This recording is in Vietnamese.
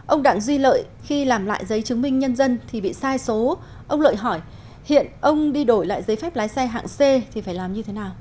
ông đặng duy lợi khi làm lại giấy chứng minh nhân dân thì bị sai số ông lợi hỏi hiện ông đi đổi lại giấy phép lái xe hạng c thì phải làm như thế nào